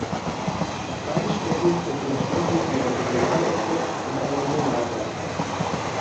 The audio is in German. Auf beiden Strecken verkehren stündlich je ein Regional-Express und eine Regionalbahn.